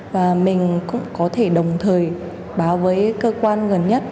và mình cũng có thể đồng thời báo với cơ quan gần nhất